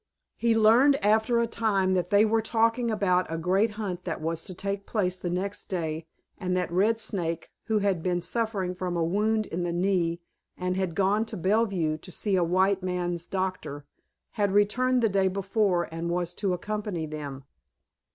He learned after a time that they were talking about a great hunt that was to take place the next day, and that Red Snake, who had been suffering from a wound in the knee and had gone to Bellevue to see a white man's doctor, had returned the day before and was to accompany them.